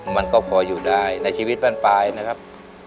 มันก็พออยู่ได้ในชีวิตบ้านปลายนะครับ